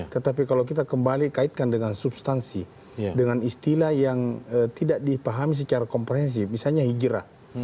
tetapi kalau kita kembali kaitkan dengan substansi dengan istilah yang tidak dipahami secara komprehensif misalnya hijrah